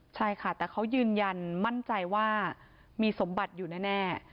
ใช่ค่ะแต่เขายืนยันมั่นใจว่ามีสมบัติอยู่แน่